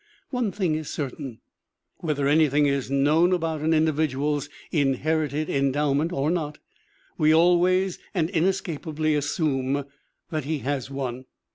One thing is certain : whether anything is known about an individual's inherited endowment or not we always and inescapably assume that he has one.